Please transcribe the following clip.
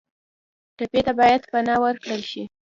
ټپي ته باید پناه ورکړل شي.